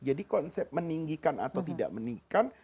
jadi konsep meninggikan atau tidak meninggikan